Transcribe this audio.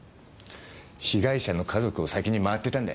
被害者の家族を先に回ってたんだ。